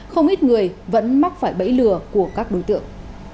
không ít người vẫn mắc phải bẫy lừa của các đối tượng